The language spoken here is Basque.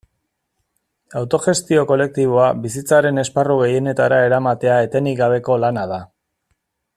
Autogestio kolektiboa bizitzaren esparru gehienetara eramatea etenik gabeko lana da.